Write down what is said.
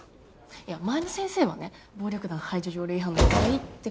いや前の先生はね暴力団排除条例違反の疑いって感じ。